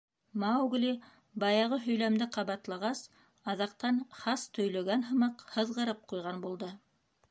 Маугли баяғы һөйләмде ҡабатлағас, аҙаҡтан хас төйлөгән һымаҡ һыҙғырып ҡуйған булды.